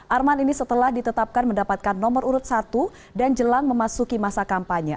arman ini setelah ditetapkan mendapatkan nomor urut satu dan jelang memasuki masa kampanye